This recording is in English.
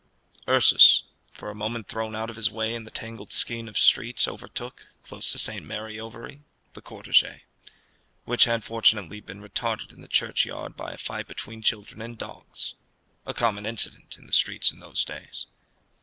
Ursus, for a moment thrown out of his way in the tangled skein of streets, overtook, close to Saint Mary Overy, the cortège, which had fortunately been retarded in the churchyard by a fight between children and dogs a common incident in the streets in those days.